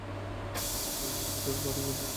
Danny, আমরা আমাদের গাড়ি নিয়ে যাব না কেন?